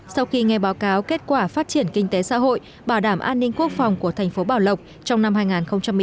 sau khi nghe báo cáo kết quả phát triển kinh tế xã hội bảo đảm an ninh quốc phòng của thành phố bảo lộc trong năm hai nghìn một mươi chín